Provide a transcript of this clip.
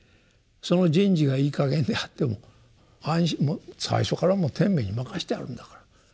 その人事がいいかげんであっても最初からもう天命に任してあるんだから。